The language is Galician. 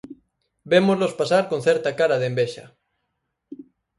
Vémolos pasar con certa cara de envexa.